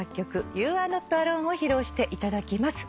『ＵＲｎｏｔａｌｏｎｅ』を披露していただきます。